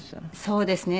そうですね。